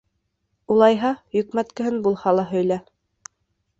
Улайһа, йөкмәткеһен булһа ла һөйлә.